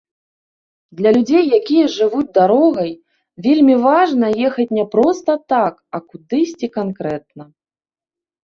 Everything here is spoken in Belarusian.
Для людзей, якія жывуць дарогай, вельмі важна ехаць не проста так, а кудысьці канкрэтна.